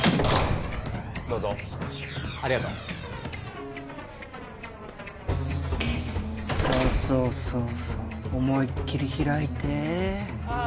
どうぞありがとうそうそうそうそう思いっきり開いてああ